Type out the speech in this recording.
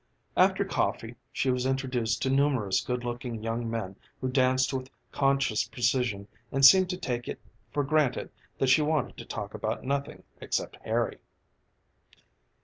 After coffee she was introduced to numerous good looking young men who danced with conscious precision and seemed to take it for granted that she wanted to talk about nothing except Harry.